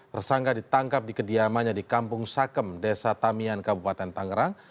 tersangka ditangkap di kediamannya di kampung sakem desa tamian kabupaten tangerang